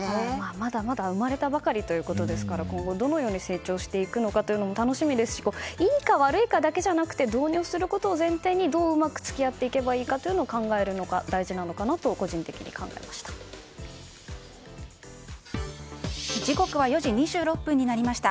まだまだ生まれたばかりということですから今後どのように成長していくかも楽しみですしいいか悪いかだけじゃなくて導入をすることを前提にどううまく付き合っていけばいいか考えるのが大事なのかなと時刻は４時２６分になりました。